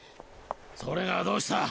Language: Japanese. それがどうした。